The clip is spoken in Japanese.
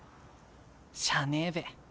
しゃあねえべ。